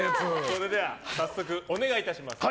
それでは早速お願いいたします。